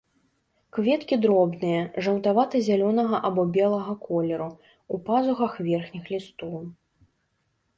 Кветкі дробныя, жаўтавата-зялёнага або белага колеру, у пазухах верхніх лістоў.